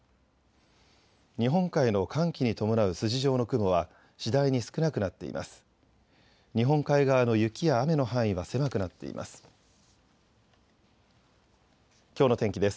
日本海の寒気に伴う筋状の雲は次第に少なくなっています。